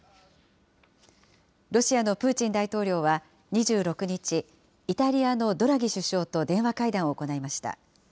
ロシアのプーチン大統領は、２６日、イタリアのドラギ首相と電話会談を行いました。